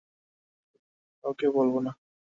কাউকে বলবো না।